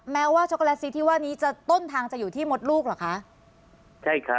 แม้ว่าช็อกโกแลตซีทีว่านี้จะต้นทางอยู่ที่มดลูกหรือคะ